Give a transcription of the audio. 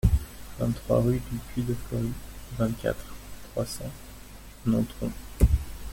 vingt-trois rue du Puy de Flory, vingt-quatre, trois cents, Nontron